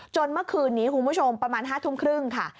เมื่อคืนนี้คุณผู้ชมประมาณ๕ทุ่มครึ่งค่ะ